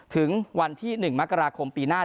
ถึงวันที่๑มกราคมปีหน้า